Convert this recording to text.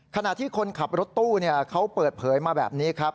ขณะที่คนขับรถตู้เขาเปิดเผยมาแบบนี้ครับ